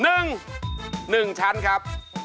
๑นึงชั้นครับ